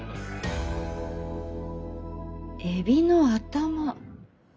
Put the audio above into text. エビの頭？